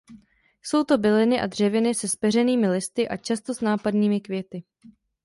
Jsou to byliny a dřeviny se zpeřenými listy a často s nápadnými květy.